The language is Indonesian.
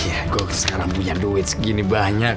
ya gue sekarang punya duit segini banyak